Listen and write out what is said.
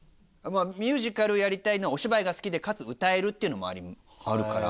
ミュージカルやりたいのはお芝居が好きでかつ歌えるっていうのもあるから。